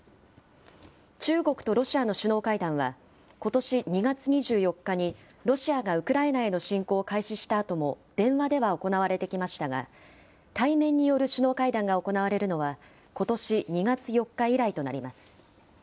中国とロシアの首脳会談は、ことし２月２４日にロシアがウクライナへの侵攻を開始したあとも、電話では行われてきましたが、対面による首脳会談が行われるのは、ことし２月４日以来となります。